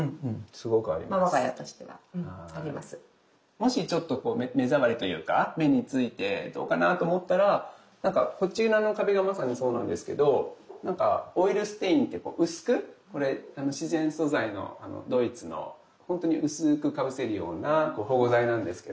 もしちょっと目障りというか目についてどうかなと思ったらなんかこちらの壁がまさにそうなんですけどなんかオイルステインって薄くこれ自然素材のドイツのほんとに薄くかぶせるような保護剤なんですけど。